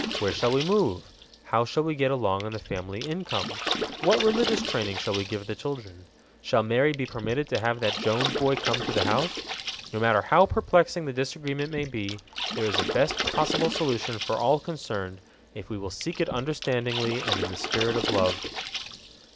Where shall we move? How shall we get along on the family income? What religious training shall we give the children? Shall Mary be permitted to have that Jones boy come to the house? No matter how perplexing the disagreement may be, there is a best possible solution for all concerned if we will seek it understandingly and in the spirit of love.